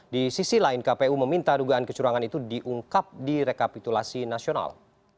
di sisi lain kpu meminta dugaan kecurangan itu diungkap di rekapitulasi nasional